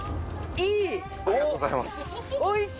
いい！